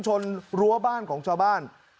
จากหน้าของคนเชิดเหตุ